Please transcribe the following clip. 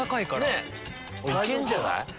行けんじゃない？